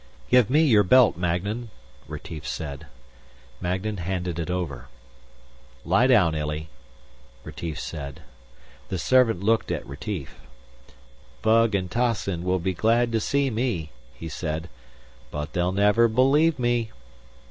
"Give me your belt, Magnan," Retief said. Magnan handed it over. "Lie down, Illy," Retief said. The servant looked at Retief. "Vug and Toscin will be glad to see me," he said. "But they'll never believe me."